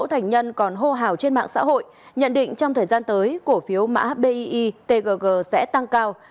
thành nhân còn hô hào trên mạng xã hội nhận định trong thời gian tới cổ phiếu mã bi tgg sẽ tăng cao